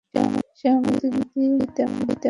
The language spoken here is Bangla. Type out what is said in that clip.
সে আমাদের রীতিনীতি তেমন জানে না।